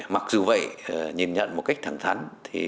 mặc dù vậy nhìn nhận một cách thẳng thắn